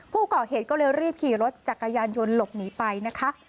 ผู้ก่อเหตุก็เลยรีบขี่รถจักรยานยนต์หลบหนีไปนะคะ